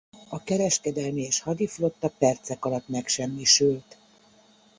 A kereskedelmi- és hadiflotta percek alatt megsemmisült.